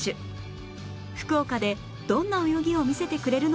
福岡でどんな泳ぎを見せてくれるのでしょうか